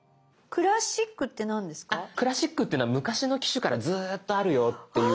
「クラシック」っていうのは昔の機種からずっとあるよっていうものがはい。